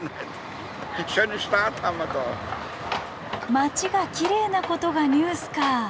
街がきれいなことがニュースか。